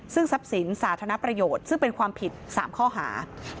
ซึ่งทรัพย์สินสาธารณประโยชน์ซึ่งเป็นความผิด๓ข้อหา